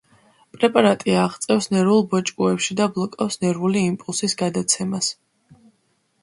პრეპარატი აღწევს ნერვულ ბოჭკოებში და ბლოკავს ნერვული იმპულსის გადაცემას.